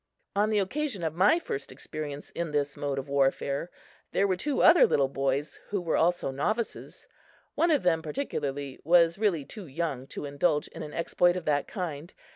On the occasion of my first experience in this mode of warfare, there were two other little boys who were also novices. One of them particularly was really too young to indulge in an exploit of that kind.